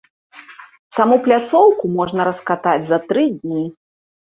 Саму пляцоўку можна раскатаць за тры дні.